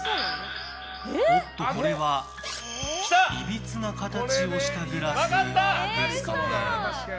おっと、これはいびつな形をしたグラスですかね。